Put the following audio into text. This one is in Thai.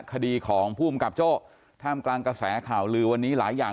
คดีของภูมิกับโจ้ท่ามกลางกระแสข่าวลือวันนี้หลายอย่าง